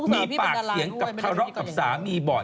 มีปากเสียงกับสามีบ่อย